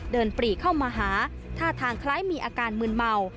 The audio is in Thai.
ปรีเข้ามาหาท่าทางคล้ายมีอาการมืนเมา